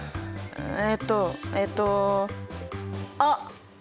えっとえっとあっ！